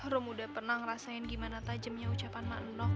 rum udah pernah ngerasain gimana tajamnya ucapan mak enok